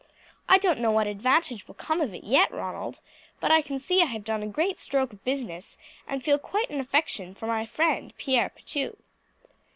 I don't know what advantage will come of it yet, Ronald; but I can see I have done a great stroke of business, and feel quite an affection for my friend Pierre Pitou."